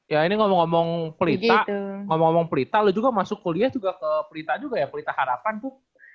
ya ini ngomong ngomong plita lu juga masuk kuliah juga ke plita juga ya plita harapan bu